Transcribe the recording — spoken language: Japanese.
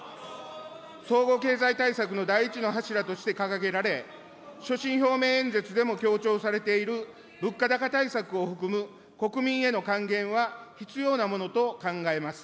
総合経済対策の第１の柱として掲げられ、所信表明演説でも強調されている物価高対策を含む国民への還元は必要なものと考えます。